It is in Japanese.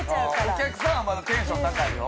お客さんはまだテンション高いよ。